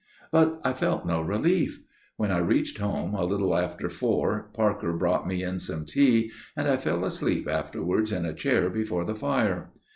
"But I felt no relief. When I reached home a little after four Parker brought me in some tea, and I fell asleep afterwards in a chair before the fire.